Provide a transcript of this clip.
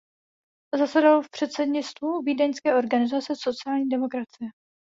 Zasedal v předsednictvu vídeňské organizace sociální demokracie.